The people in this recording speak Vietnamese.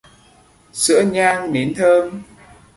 Sữa nhang nến thơm